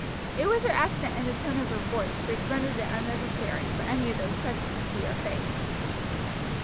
It was her accent and the tone of her voice which rendered it unnecessary for any of those present to see her face.